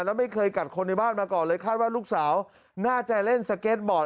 แล้วไม่เคยกัดคนในบ้านมาก่อนเลยคาดว่าลูกสาวน่าจะเล่นสเก็ตบอร์ด